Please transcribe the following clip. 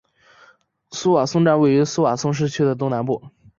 苏瓦松站位于苏瓦松市区的东南部。